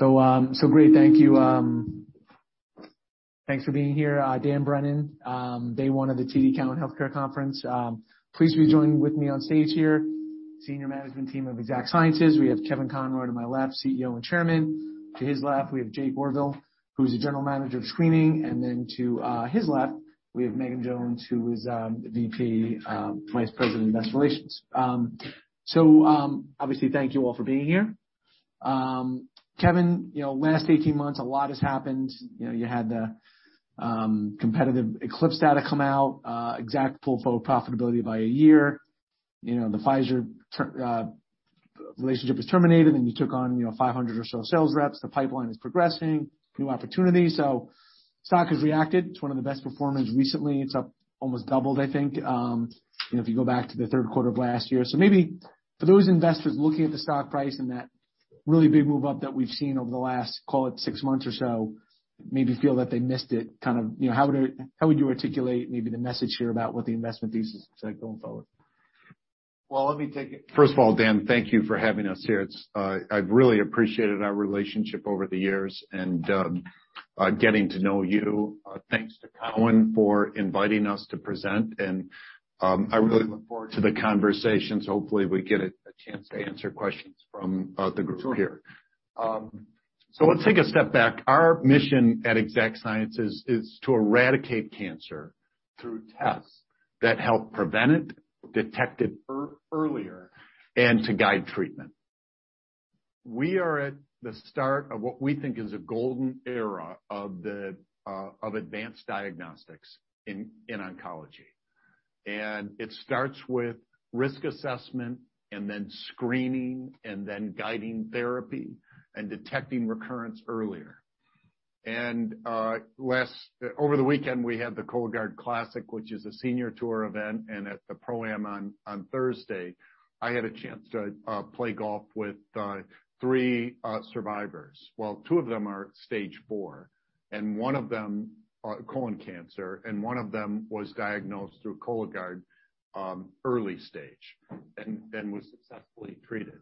Great. Thank you. Thanks for being here, Dan Brennan. Day one of the TD Cowen Health Care Conference. Pleased to be joined with me on stage here, senior management team of Exact Sciences. We have Kevin Conroy to my left, CEO and Chairman. To his left, we have Jake Orville, who's the General Manager of Screening, and then to his left, we have Megan Jones, who is the VP, Vice President of Investor Relations. Obviously thank you all for being here. Kevin, you know, last 18 months, a lot has happened. You know, you had the competitive ECLIPSE data come out, Exact pull forward profitability by a year. You know, the Pfizer relationship was terminated, and you took on, you know, 500 or so sales reps. The pipeline is progressing, new opportunities. Stock has reacted. It's one of the best performers recently. It's up, almost doubled, I think, you know, if you go back to the third quarter of last year. Maybe for those investors looking at the stock price and that really big move up that we've seen over the last, call it six months or so, maybe feel that they missed it, kind of, you know. How would, how would you articulate maybe the message here about what the investment thesis is going forward? Well, let me take it. First of all, Dan, thank you for having us here. It's, I've really appreciated our relationship over the years and, getting to know you. Thanks to Cowen for inviting us to present, and, I really look forward to the conversations. Hopefully, we get a chance to answer questions from, the group here. Let's take a step back. Our mission at Exact Sciences is to eradicate cancer through tests that help prevent it, detect it earlier, and to guide treatment. We are at the start of what we think is a golden era of the, of advanced diagnostics in oncology. It starts with risk assessment and then screening and then guiding therapy and detecting recurrence earlier. Over the weekend, we had the Cologuard Classic, which is a senior tour event. At the Pro-Am on Thursday, I had a chance to play golf with 3 survivors. Well, 2 of them are stage 4, and 1 of them, colon cancer, and 1 of them was diagnosed through Cologuard, early stage and was successfully treated.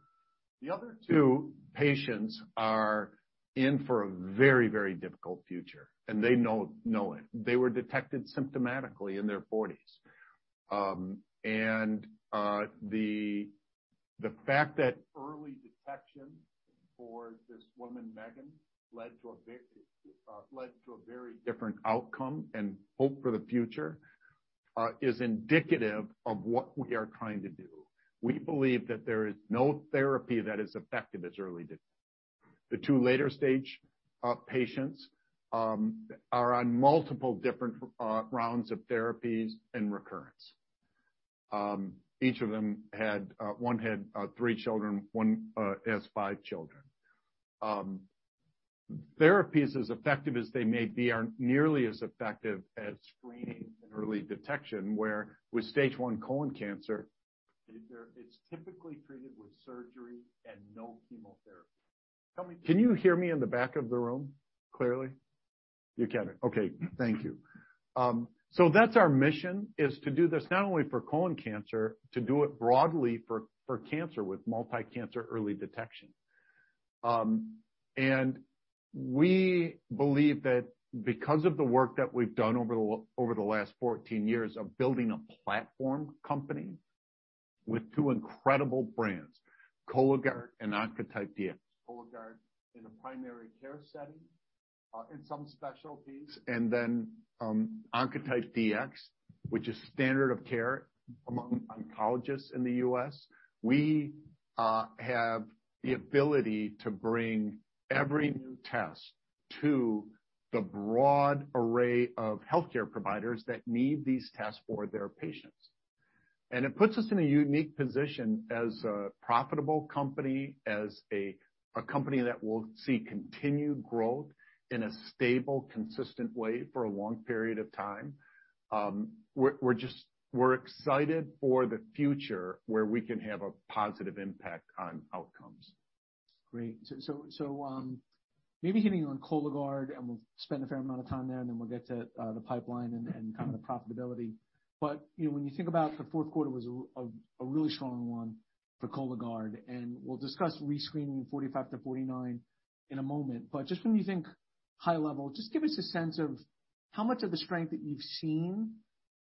The other 2 patients are in for a very, very difficult future, and they know it. They were detected symptomatically in their 40s. The fact that early detection for this woman, Megan, led to a big, led to a very different outcome and hope for the future, is indicative of what we are trying to do. We believe that there is no therapy that is effective as early detection. The 2 later stage patients are on multiple different rounds of therapies and recurrence. Each of them had, one had, 3 children, one has 5 children. Therapies, as effective as they may be, aren't nearly as effective as screening and early detection, where with stage 1 colon cancer, it's typically treated with surgery and no chemotherapy. Can you hear me in the back of the room clearly? You can. Okay. Thank you. That's our mission, is to do this not only for colon cancer, to do it broadly for cancer with multi-cancer early detection. We believe that because of the work that we've done over the last 14 years of building a platform company with two incredible brands, Cologuard and Oncotype DX. Cologuard in a primary care setting, in some specialties, Oncotype DX, which is standard of care among oncologists in the U.S. We have the ability to bring every new test to the broad array of healthcare providers that need these tests for their patients. It puts us in a unique position as a profitable company, as a company that will see continued growth in a stable, consistent way for a long period of time. We're just excited for the future where we can have a positive impact on outcomes. Great. Maybe hitting on Cologuard, and we'll spend a fair amount of time there, and then we'll get to the pipeline and kind of the profitability. You know, when you think about the fourth quarter was a really strong one for Cologuard, and we'll discuss rescreening 45-49 in a moment. When you think high level, just give us a sense of how much of the strength that you've seen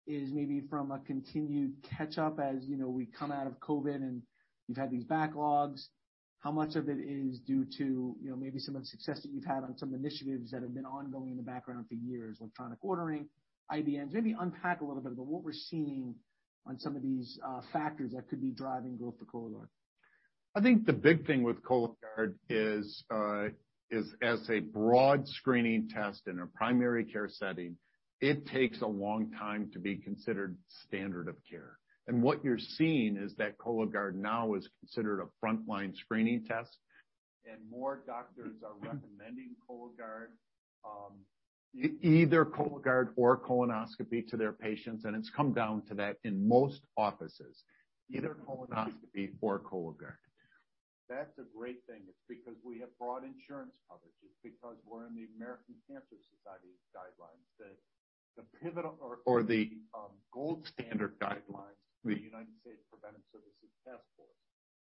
is maybe from a continued catch up as, you know, we come out of COVID and you've had these backlogs. How much of it is due to, you know, maybe some of the success that you've had on some initiatives that have been ongoing in the background for years, electronic ordering, IBNs. Maybe unpack a little bit about what we're seeing on some of these factors that could be driving growth for Cologuard. I think the big thing with Cologuard is as a broad screening test in a primary care setting, it takes a long time to be considered standard of care. What you're seeing is that Cologuard now is considered a frontline screening test, and more doctors are recommending Cologuard, either Cologuard or colonoscopy to their patients. It's come down to that in most offices, either colonoscopy or Cologuard. That's a great thing. It's because we have broad insurance coverage. It's because we're in the American Cancer Society guidelines, the pivot or the gold standard guidelines for the United States Preventive Services Task Force.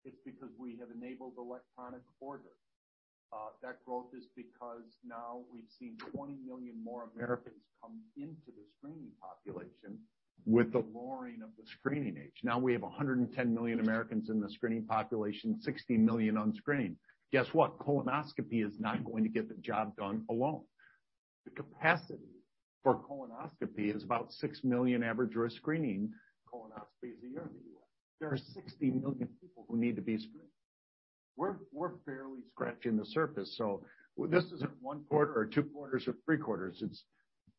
It's because we have enabled electronic orders. That growth is because now we've seen 20 million more Americans come into the screening population with the lowering of the screening age. We have 110 million Americans in the screening population, 60 million on screen. Guess what? Colonoscopy is not going to get the job done alone. The capacity for colonoscopy is about six million average risk screening colonoscopies a year in the U.S. There are 60 million people who need to be screened. We're barely scratching the surface. This isn't one quarter or two quarters or three quarters. It's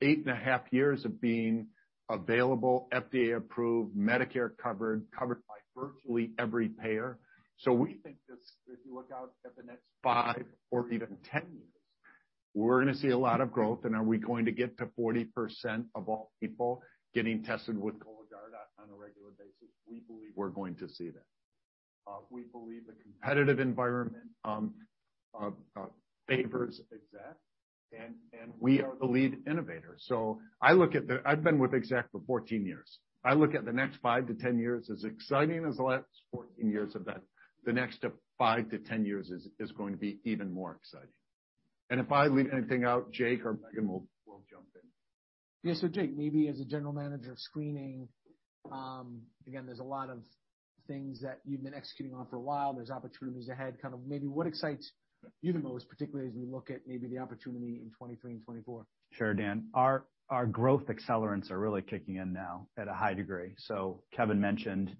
8.5 years of being available, FDA-approved, Medicare-covered, covered by virtually every payer. We think this, if you look out at the next five or even 10 years, we're gonna see a lot of growth. Are we going to get to 40% of all people getting tested with Cologuard on a regular basis? We believe we're going to see that. We believe the competitive environment favors Exact, and we are the lead innovator. I've been with Exact for 14 years. I look at the next 5-10 years as exciting as the last 14 years have been. The next 5-10 years is going to be even more exciting. If I leave anything out, Jake Orville or Megan will jump in. Yes. Jake, maybe as a general manager of screening, again, there's a lot of things that you've been executing on for a while. There's opportunities ahead, kind of maybe what excites you the most, particularly as we look at maybe the opportunity in 2023 and 2024? Sure, Dan. Our growth accelerants are really kicking in now at a high degree. Kevin mentioned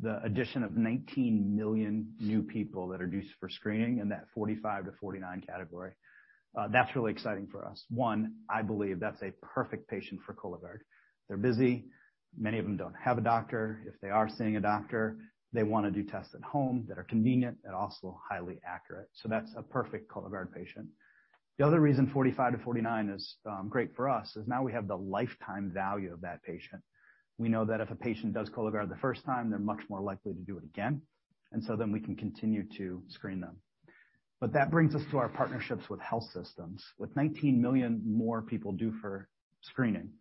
the addition of 19 million new people that are due for screening in that 45-49 category. That's really exciting for us. One, I believe that's a perfect patient for Cologuard. They're busy. Many of them don't have a doctor. If they are seeing a doctor, they wanna do tests at home that are convenient and also highly accurate. That's a perfect Cologuard patient. The other reason 45-49 is great for us is now we have the lifetime value of that patient. We know that if a patient does Cologuard the first time, they're much more likely to do it again, we can continue to screen them. That brings us to our partnerships with health systems. With 19 million more people due for screening,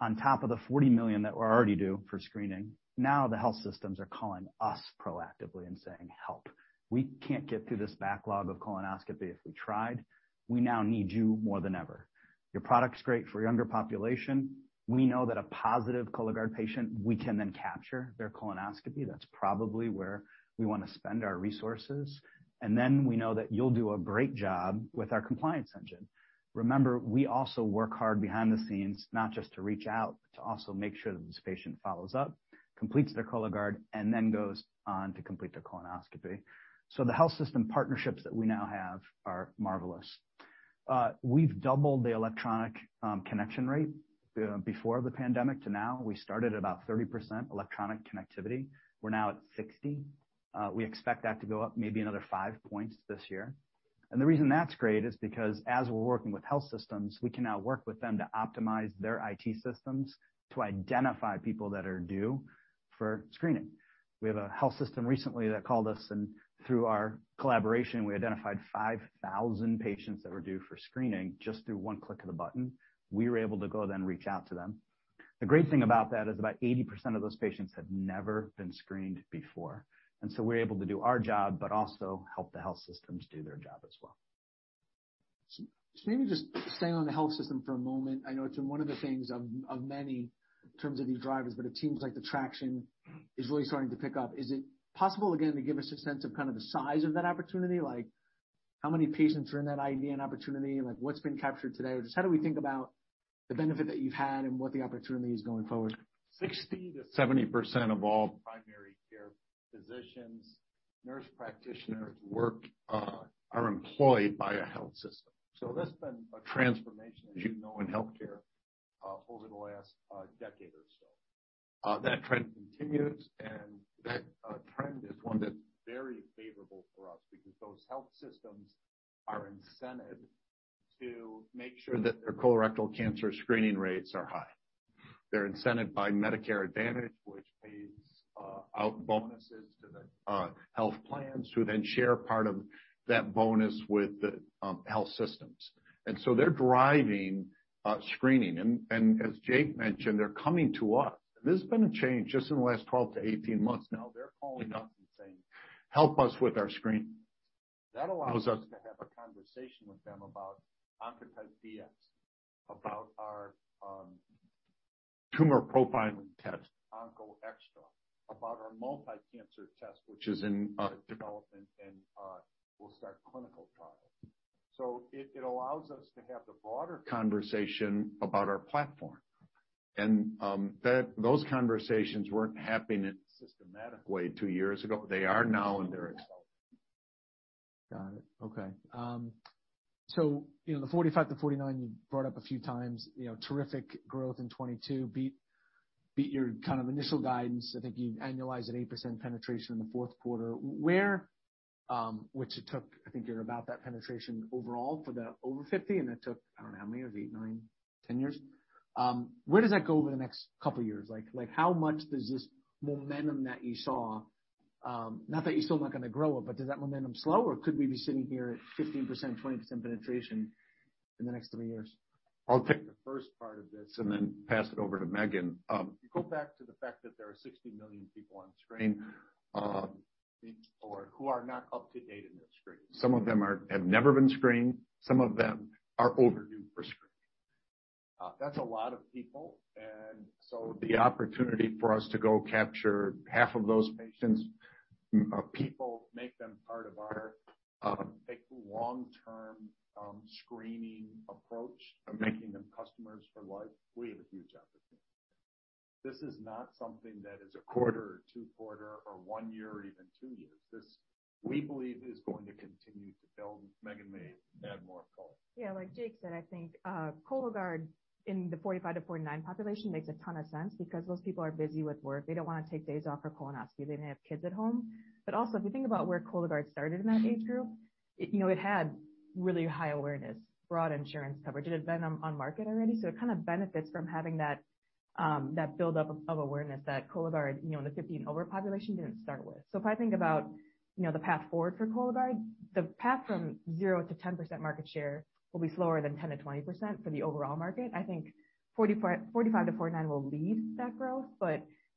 on top of the 40 million that were already due for screening, now the health systems are calling us proactively and saying, "Help. We can't get through this backlog of colonoscopy if we tried. We now need you more than ever. Your product's great for your underpopulation. We know that a positive Cologuard patient, we can then capture their colonoscopy. That's probably where we wanna spend our resources. We know that you'll do a great job with our compliance engine." Remember, we also work hard behind the scenes not just to reach out, but to also make sure that this patient follows up, completes their Cologuard, and then goes on to complete their colonoscopy. The health system partnerships that we now have are marvelous. We've doubled the electronic connection rate before the pandemic to now. We started about 30% electronic connectivity. We're now at 60. We expect that to go up maybe another 5 points this year. The reason that's great is because as we're working with health systems, we can now work with them to optimize their IT systems to identify people that are due for screening. We have a health system recently that called us, and through our collaboration, we identified 5,000 patients that were due for screening just through 1 click of a button. We were able to go then reach out to them. The great thing about that is about 80% of those patients had never been screened before. We're able to do our job, but also help the health systems do their job as well. Maybe just staying on the health system for a moment. I know it's been one of the things of many in terms of these drivers, but it seems like the traction is really starting to pick up. Is it possible again, to give us a sense of kind of the size of that opportunity? Like how many patients are in that ID and opportunity, and like what's been captured today? Just how do we think about the benefit that you've had and what the opportunity is going forward? 60%-70% of all primary care physicians, nurse practitioners work, are employed by a health system. That's been a transformation, as you know, in healthcare, over the last decade or so. That trend continues, and that trend is one that's very favorable for us because those health systems are incented to make sure that their colorectal cancer screening rates are high. They're incented by Medicare Advantage, which pays out bonuses to the health plans, who then share part of that bonus with the health systems. They're driving screening. As Jake mentioned, they're coming to us. There's been a change just in the last 12-18 months now. They're calling us and saying, "Help us with our screening." That allows us to have a conversation with them about Oncotype DX, about our tumor profiling test, OncoExTra, about our multi-cancer test, which is in development, and we'll start clinical trials. It, it allows us to have the broader conversation about our platform. Those conversations weren't happening in a systematic way two years ago. They are now, and they're accelerating. Got it. Okay. You know, the 45-49 you brought up a few times, you know, terrific growth in 2022. Beat your kind of initial guidance. I think you annualize at 8% penetration in the fourth quarter. Where, which it took, I think you're about that penetration overall for the over 50, and it took, I don't know how many, it was 8, 9, 10 years. Where does that go over the next couple of years? Like how much does this momentum that you saw, not that you're still not gonna grow it, but does that momentum slow or could we be sitting here at 15%, 20% penetration in the next 3 years? I'll take the first part of this and then pass it over to Meghan. If you go back to the fact that there are 60 million people on screen or who are not up to date in their screen. Some of them have never been screened. Some of them are overdue for screening. That's a lot of people. The opportunity for us to go capture half of those patients, people, make them part of our long-term screening approach of making them customers for life. We have a huge opportunity. This is not something that is a quarter or two quarter or one year or even two years. This, we believe is going to continue to build. Meghan may add more color. Like Jake said, I think Cologuard in the 45 to 49 population makes a ton of sense because those people are busy with work. They don't wanna take days off for colonoscopy. They may have kids at home. If you think about where Cologuard started in that age group, you know, it had really high awareness, broad insurance coverage. It had been on market already. It kind of benefits from having that buildup of awareness that Cologuard, you know, in the 50 and over population didn't start with. If I think about, you know, the path forward for Cologuard, the path from 0%-10% market share will be slower than 10%-20% for the overall market. I think 45 to 49 will lead that growth.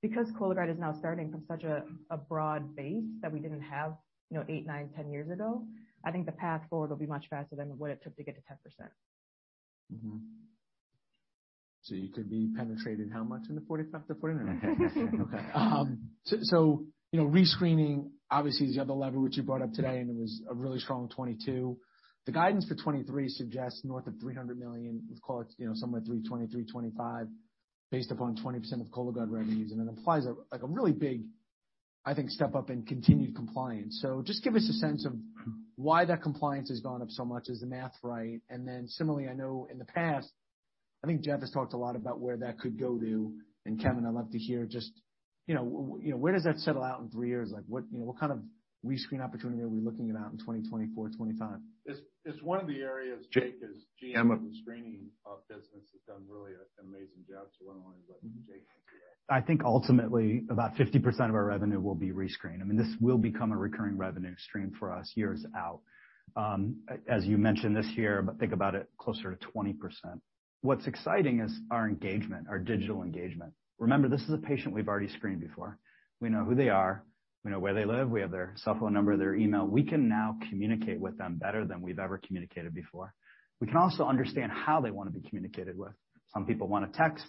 Because Cologuard is now starting from such a broad base that we didn't have, you know, 8, 9, 10 years ago, I think the path forward will be much faster than what it took to get to 10%. You could be penetrated how much in the 45-49? Okay. You know, rescreening obviously is the other lever which you brought up today, and it was a really strong 2022. The guidance for 2023 suggests north of $300 million. Let's call it, you know, somewhere $320-$325 million, based upon 20% of Cologuard revenues. It implies a, like, a really big, I think, step-up in continued compliance. Just give us a sense of why that compliance has gone up so much. Is the math right? Similarly, I know in the past, I think Jeff has talked a lot about where that could go to. Kevin, I'd love to hear just, you know, where does that settle out in 3 years? Like, what, you know, what kind of rescreen opportunity are we looking at out in 2024, 25? It's one of the areas Jake as GM of the Screening business has done really an amazing job. Why don't I let Jake answer that? I think ultimately about 50% of our revenue will be rescreen. I mean, this will become a recurring revenue stream for us years out. as you mentioned this year, but think about it, closer to 20%. What's exciting is our engagement, our digital engagement. Remember, this is a patient we've already screened before. We know who they are. We know where they live. We have their cell phone number, their email. We can now communicate with them better than we've ever communicated before. We can also understand how they wanna be communicated with. Some people want a text,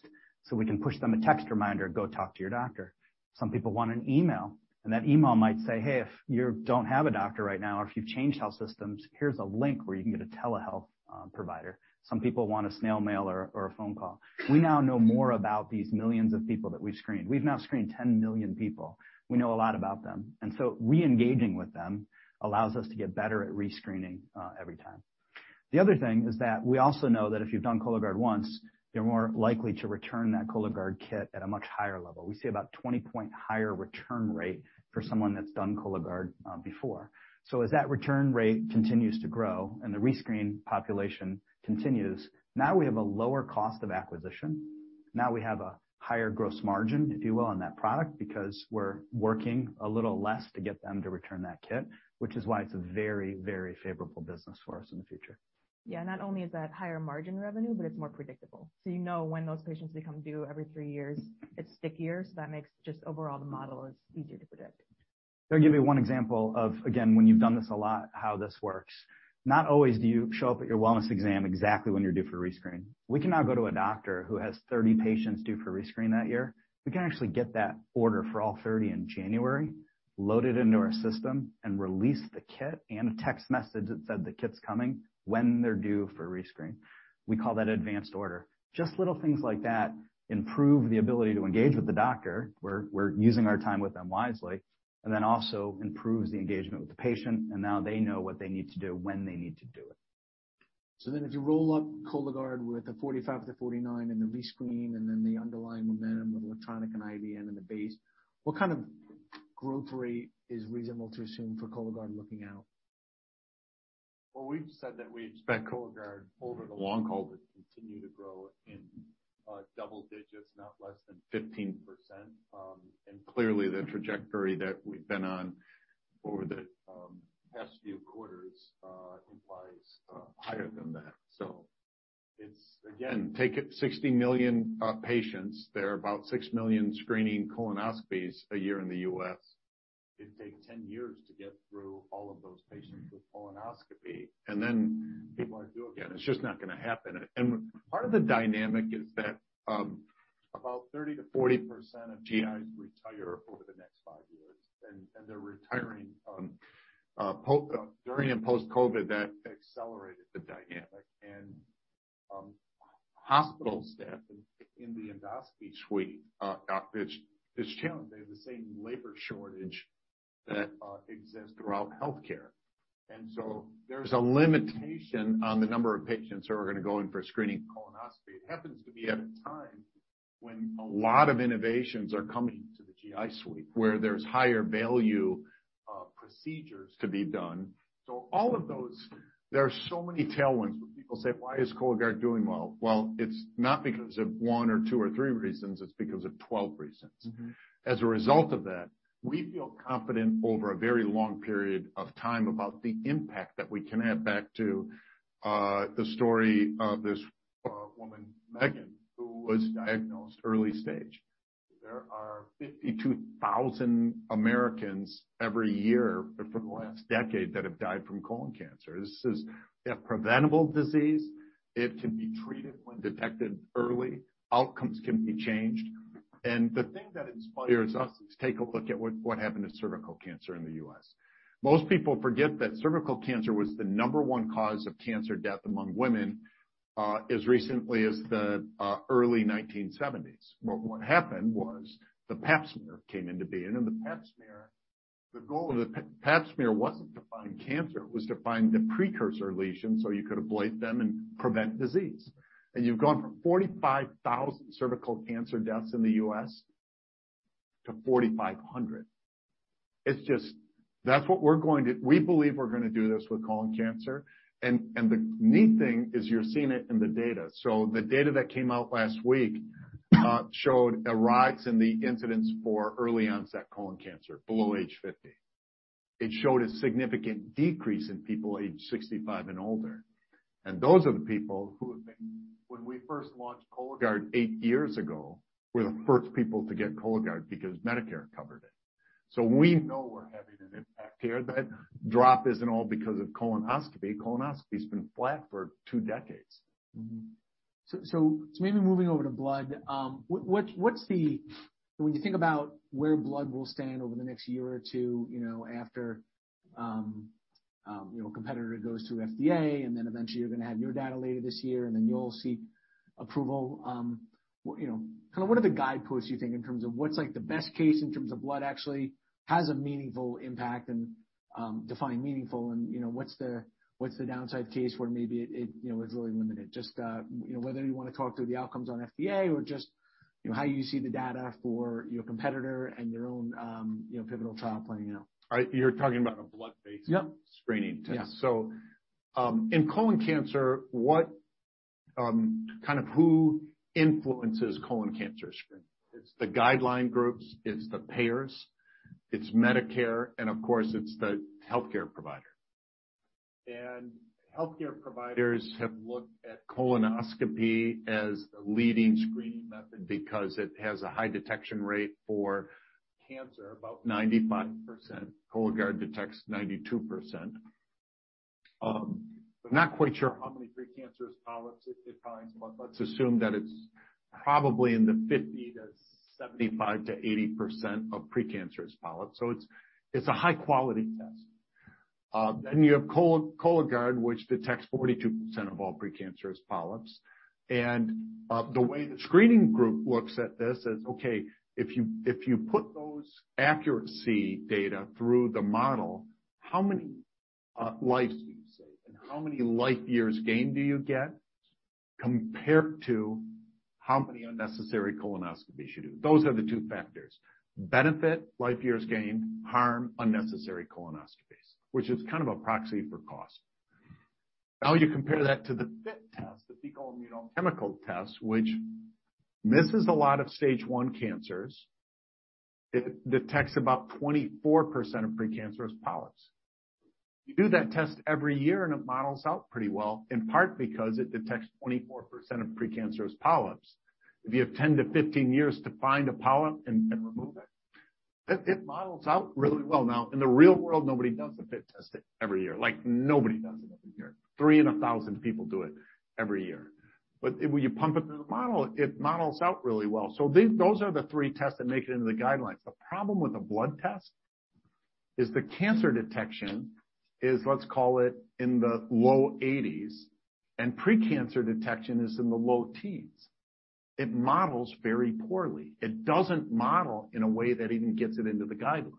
we can push them a text reminder, "Go talk to your doctor." Some people want an email, that email might say, "Hey, if you don't have a doctor right now or if you've changed health systems, here's a link where you can get a telehealth provider." Some people want a snail mail or a phone call. We now know more about these millions of people that we've screened. We've now screened 10 million people. We know a lot about them. Re-engaging with them allows us to get better at rescreening every time. The other thing is that we also know that if you've done Cologuard once, you're more likely to return that Cologuard kit at a much higher level. We see about 20 point higher return rate for someone that's done Cologuard before. As that return rate continues to grow and the rescreen population continues, now we have a lower cost of acquisition. Now we have a higher gross margin, if you will, on that product because we're working a little less to get them to return that kit, which is why it's a very, very favorable business for us in the future. Not only is that higher margin revenue, but it's more predictable. You know when those patients become due every three years, it's stickier. That makes just overall the model is easier to predict. I'll give you one example of, again, when you've done this a lot, how this works. Not always do you show up at your wellness exam exactly when you're due for rescreen. We can now go to a doctor who has 30 patients due for rescreen that year. We can actually get that order for all 30 in January, load it into our system, and release the kit and a text message that said the kit's coming when they're due for rescreen. We call that advanced order. Just little things like that improve the ability to engage with the doctor. We're using our time with them wisely, and then also improves the engagement with the patient, and now they know what they need to do when they need to do it. If you roll up Cologuard with the 45-49 and the rescreen and then the underlying momentum with electronic and IV and then the base, what kind of growth rate is reasonable to assume for Cologuard looking out? Well, we've said that we expect Cologuard over the long haul to continue to grow in double digits, not less than 15%. Clearly the trajectory that we've been on over the past few quarters implies higher than that. It's, again, take it 60 million patients. There are about 6 million screening colonoscopies a year in the U.S. It'd take 10 years to get through all of those patients with colonoscopy, and then people are due again. It's just not gonna happen. Part of the dynamic is that about 30%-40% of GIs retire over the next 5 years, and they're retiring during and post-COVID that accelerated the dynamic. Hospital staff in the endoscopy suite got this challenge. They have the same labor shortage that exists throughout healthcare. There's a limitation on the number of patients who are gonna go in for a screening colonoscopy. It happens to be at a time when a lot of innovations are coming to the GI suite, where there's higher value procedures to be done. All of those, there are so many tailwinds where people say, "Why is Cologuard doing well?" Well, it's not because of one or two or three reasons, it's because of 12 reasons. As a result of that, we feel confident over a very long period of time about the impact that we can have. Back to the story of this woman, Megan, who was diagnosed early stage. There are 52,000 Americans every year for the last decade that have died from colon cancer. This is a preventable disease. It can be treated when detected early. Outcomes can be changed. The thing that inspires us is take a look at what happened to cervical cancer in the U.S. Most people forget that cervical cancer was the number 1 cause of cancer death among women, as recently as the early 1970s. What happened was the Pap smear came into being. The Pap smear, the goal of the Pap smear wasn't to find cancer, it was to find the precursor lesions so you could ablate them and prevent disease. You've gone from 45,000 cervical cancer deaths in the U.S. to 4,500. It's just... That's what we believe we're gonna do this with colon cancer. The neat thing is you're seeing it in the data. The data that came out last week showed a rise in the incidence for early onset colon cancer below age 50. It showed a significant decrease in people age 65 and older. Those are the people when we first launched Cologuard 8 years ago, were the first people to get Cologuard because Medicare covered it. We know we're having an impact here. That drop isn't all because of colonoscopy. Colonoscopy's been flat for two decades. Maybe moving over to blood. When you think about where blood will stand over the next year or 2, you know, after, you know, a competitor goes through FDA, and then eventually you're gonna have your data later this year, and then you'll seek approval. Kind of what are the guideposts you think in terms of what's like the best case in terms of blood actually has a meaningful impact and, define meaningful and, what's the, what's the downside case where maybe it, you know, is really limited? Just, you know, whether you wanna talk through the outcomes on FDA or just, you know, how you see the data for your competitor and your own, pivotal trial playing out? All right. You're talking about a blood-based-. Yep. screening test. Yeah. In colon cancer, what kind of who influences colon cancer screening? It's the guideline groups, it's the payers, it's Medicare, and of course, it's the healthcare provider. Healthcare providers have looked at colonoscopy as the leading screening method because it has a high detection rate for cancer, about 95%. Cologuard detects 92%. I'm not quite sure how many precancerous polyps it defines, but let's assume that it's probably in the 50% to 75% to 80% of precancerous polyps. It's, it's a high quality test. Then you have Cologuard, which detects 42% of all precancerous polyps. The way the screening group looks at this is, okay, if you, if you put those accuracy data through the model, how many lives do you save? How many life years gain do you get compared to how many unnecessary colonoscopies you do? Those are the two factors. Benefit, life years gained, harm, unnecessary colonoscopies, which is kind of a proxy for cost. You compare that to the FIT test, the fecal immunochemical test, which misses a lot of stage one cancers. It detects about 24% of precancerous polyps. You do that test every year and it models out pretty well, in part because it detects 24% of precancerous polyps. If you have 10-15 years to find a polyp and remove it models out really well. In the real world, nobody does the FIT test every year. Like, nobody does it every year. 3 in 1,000 people do it every year. When you pump it through the model, it models out really well. Those are the three tests that make it into the guidelines. The problem with the blood test is the cancer detection is, let's call it, in the low 80s, and pre-cancer detection is in the low teens. It models very poorly. It doesn't model in a way that even gets it into the guidelines.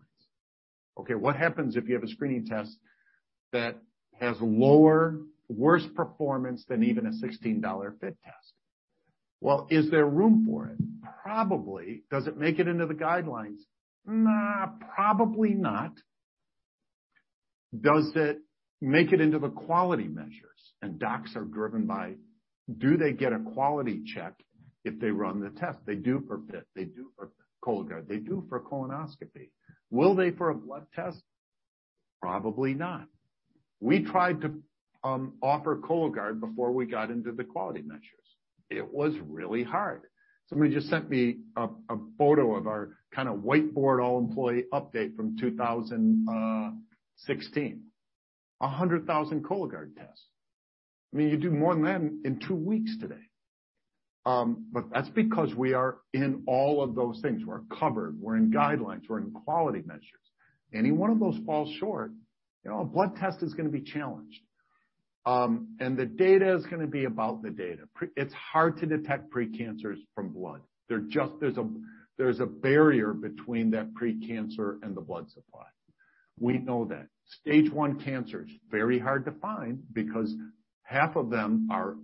What happens if you have a screening test that has lower, worse performance than even a $16 FIT test? Is there room for it? Probably. Does it make it into the guidelines? Nah, probably not. Does it make it into the quality measures? Docs are driven by, do they get a quality check if they run the test? They do for FIT, they do for Cologuard, they do for colonoscopy. Will they for a blood test? Probably not. We tried to offer Cologuard before we got into the quality measures. It was really hard. Somebody just sent me a photo of our kinda whiteboard all-employee update from 2016. 100,000 Cologuard tests. I mean, you do more than that in 2 weeks today. That's because we are in all of those things. We're covered, we're in guidelines, we're in quality measures. Any one of those falls short, you know, a blood test is gonna be challenged. The data is gonna be about the data. It's hard to detect pre-cancers from blood. There's a barrier between that pre-cancer and the blood supply. We know that. Stage 1 cancers, very hard to find because half of them are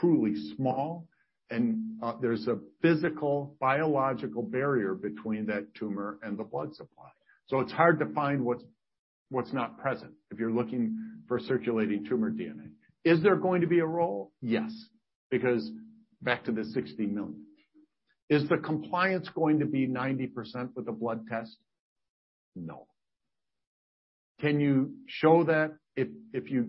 truly small and there's a physical biological barrier between that tumor and the blood supply. It's hard to find what's not present if you're looking for circulating tumor DNA. Is there going to be a role? Yes, because back to the 60 million. Is the compliance going to be 90% with a blood test? No. Can you show that if you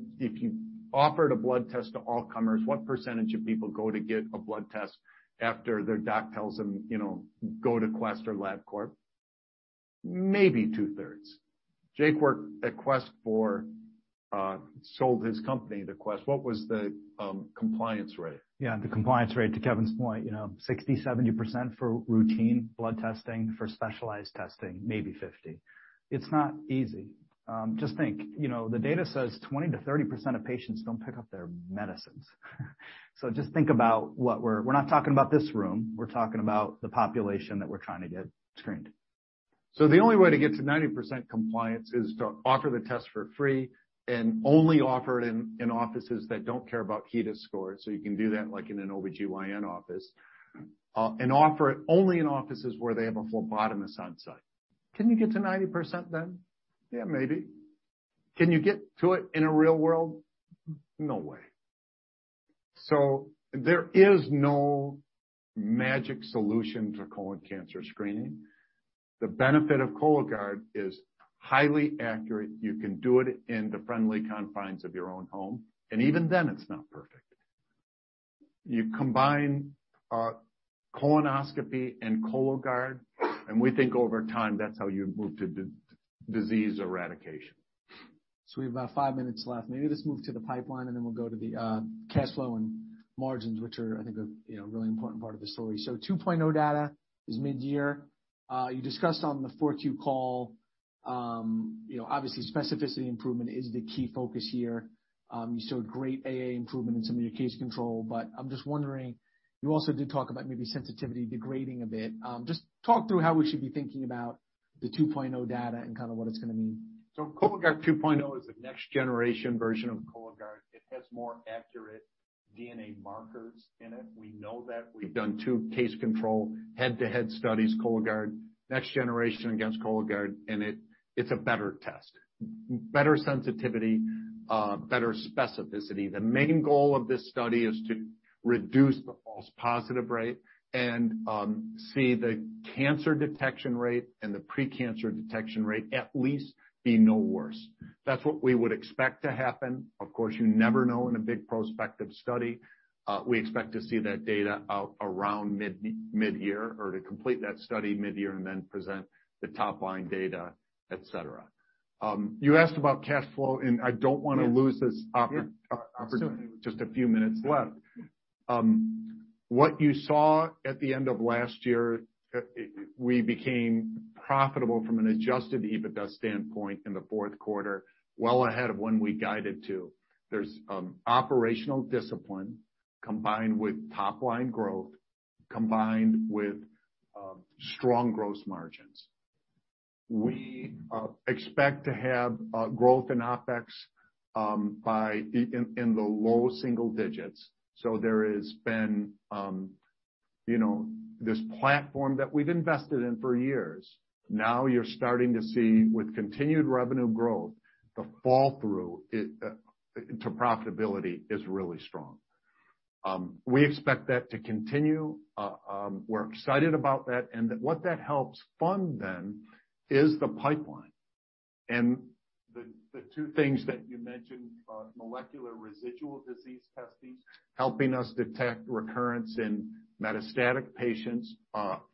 offered a blood test to all comers, what percentage of people go to get a blood test after their doc tells them, you know, 'Go to Quest or Labcorp?' Maybe two-thirds. Jake worked at Quest for, sold his company to Quest. What was the compliance rate? Yeah. The compliance rate, to Kevin's point, you know, 60%-70% for routine blood testing. For specialized testing, maybe 50%. It's not easy. Just think, you know, the data says 20%-30% of patients don't pick up their medicines. Just think about what we're not talking about this room. We're talking about the population that we're trying to get screened. The only way to get to 90% compliance is to offer the test for free and only offer it in offices that don't care about HEDIS scores. You can do that like in an OBGYN office, and offer it only in offices where they have a phlebotomist on site. Can you get to 90% then? Yeah, maybe. Can you get to it in a real world? No way. There is no magic solution to colon cancer screening. The benefit of Cologuard is highly accurate. You can do it in the friendly confines of your own home, and even then it's not perfect. You combine colonoscopy and Cologuard, and we think over time, that's how you move to disease eradication. We have about five minutes left. Maybe let's move to the pipeline, and then we'll go to the cash flow and margins, which are, I think, a, you know, really important part of the story. 2.0 data is mid-year. You discussed on the 4Q call, you know, obviously specificity improvement is the key focus here. You showed great AA improvement in some of your case control. I'm just wondering, you also did talk about maybe sensitivity degrading a bit. Just talk through how we should be thinking about the 2.0 data and kinda what it's gonna mean? Cologuard Plus is the next generation version of Cologuard. It has more accurate DNA markers in it. We know that. We've done two case control head-to-head studies, Cologuard, next generation against Cologuard. It's a better test. Better sensitivity, better specificity. The main goal of this study is to reduce the false positive rate and see the cancer detection rate and the pre-cancer detection rate at least be no worse. That's what we would expect to happen. Of course, you never know in a big prospective study. We expect to see that data out around mid-year or to complete that study mid-year and then present the top line data, et cetera. You asked about cash flow. I don't wanna lose this opportunity with just a few minutes left. What you saw at the end of last year, we became profitable from an adjusted EBITDA standpoint in the fourth quarter, well ahead of when we guided to. There's operational discipline combined with top line growth, combined with strong gross margins. We expect to have growth in OPEX in the low single digits. There has been, you know, this platform that we've invested in for years. Now you're starting to see with continued revenue growth, the fall through to profitability is really strong. We expect that to continue. We're excited about that and that what that helps fund then is the pipeline. The two things that you mentioned, molecular residual disease testing, helping us detect recurrence in metastatic patients,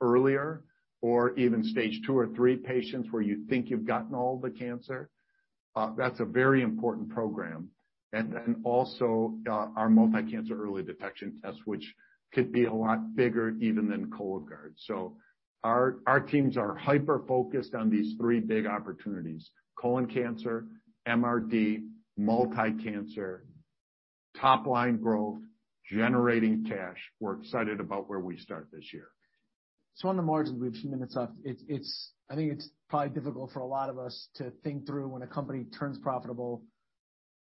earlier or even stage 2 or 3 patients where you think you've gotten all the cancer, that's a very important program. Also, our multi-cancer early detection test, which could be a lot bigger even than Cologuard. Our teams are hyper-focused on these three big opportunities: colon cancer, MRD, multi-cancer, top line growth, generating cash. We're excited about where we start this year. On the margins, we have a few minutes left. It's I think it's probably difficult for a lot of us to think through when a company turns profitable,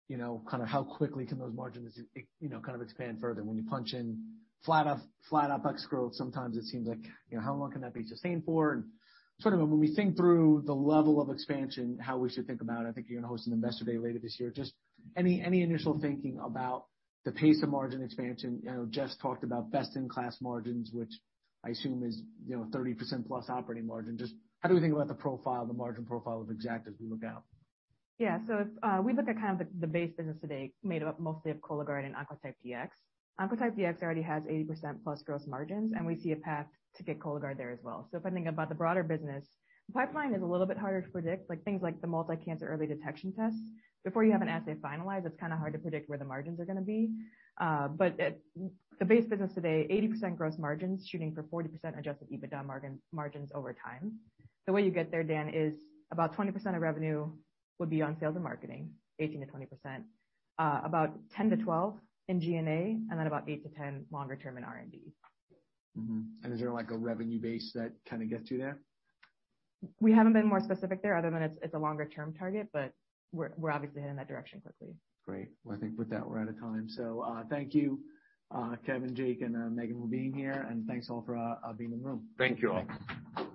you know, kinda how quickly can those margins, you know, kind of expand further. When you punch in flat OPEX growth, sometimes it seems like, you know, how long can that be sustained for? Sort of when we think through the level of expansion, how we should think about it, I think you're gonna host an investor day later this year. Just any initial thinking about the pace of margin expansion. You know, Jeff talked about best in class margins, which I assume is, you know, 30% plus operating margin. Just how do we think about the profile, the margin profile of Exact as we look out? Yeah. If we look at kind of the base business today made up mostly of Cologuard and Oncotype DX. Oncotype DX already has 80%+ gross margins, and we see a path to get Cologuard there as well. If I think about the broader business, the pipeline is a little bit harder to predict, like things like the multi-cancer early detection tests. Before you have an assay finalized, it's kinda hard to predict where the margins are gonna be. The base business today, 80% gross margins shooting for 40% adjusted EBITDA margin, margins over time. The way you get there, Dan, is about 20% of revenue would be on sales and marketing, 18%-20%. About 10-12 in G&A, then about 8-10 longer term in R&D. Is there like a revenue base that kinda gets you there? We haven't been more specific there other than it's a longer term target, we're obviously heading in that direction quickly. Great. Well, I think with that, we're out of time. Thank you, Kevin, Jake, and Megan for being here, and thanks all for being in the room. Thank you all.